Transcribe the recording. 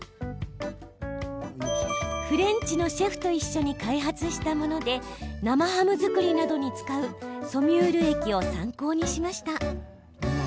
フレンチのシェフと一緒に開発したもので生ハム作りなどに使うソミュール液を参考にしました。